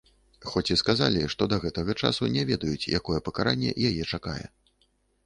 Хоць і сказалі, што да гэтага часу не ведаюць, якое пакаранне яе чакае.